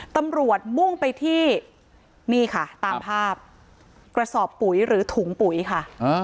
มุ่งไปที่นี่ค่ะตามภาพกระสอบปุ๋ยหรือถุงปุ๋ยค่ะ